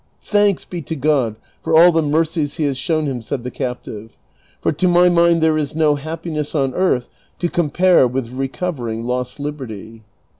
'' "Thanks be to God for all the mercies he has shown him," said the captive ;" for to my mind there is no happiness on earth to compare with recovering lost liberty."